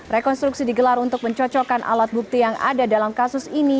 rekonstruksi digelar untuk mencocokkan alat bukti yang ada dalam kasus ini